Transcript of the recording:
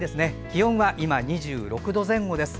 気温は今２６度前後です。